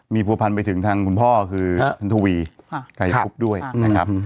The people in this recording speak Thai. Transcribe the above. มีผัวพันไปถึงทางคุณพ่อคือท่านทูวีไก่พุพด้วยนะครับ